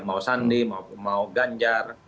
mau sandi mau ganjar